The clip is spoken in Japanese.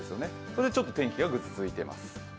それでちょっと天気がぐずついています。